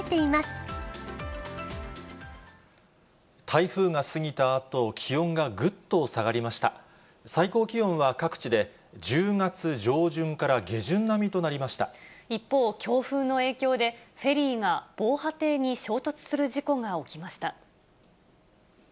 台風が過ぎたあと、気温がぐ一方、強風の影響で、フェリーが防波堤に衝突する事故が起きました。